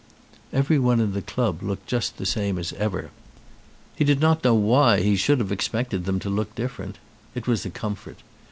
Everyone in the club looked just the same as ever. He did not know why he should have ex 200 THE TAIPAN pected them to look different. It was a comfort.